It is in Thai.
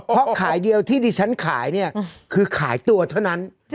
เพราะขายเดียวที่ดิฉันขายเนี่ยคือขายตัวเท่านั้น